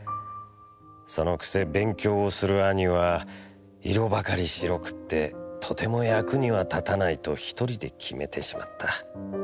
その癖勉強をする兄は色ばかり白くってとても役には立たないと一人で決めてしまった。